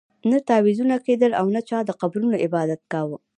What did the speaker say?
نه تعویذونه کېدل او نه چا د قبرونو عبادت کاوه.